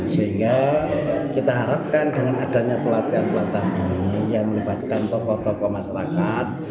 sehingga kita harapkan dengan adanya pelatihan pelatihan ini yang melibatkan tokoh tokoh masyarakat